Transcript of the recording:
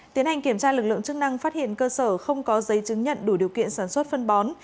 tiến hành kiểm tra lực lượng chức năng phát hiện cơ sở không có giấy chứng nhận đủ điều kiện sản xuất phân bón